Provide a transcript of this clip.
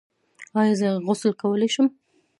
ایا زه غسل کولی شم؟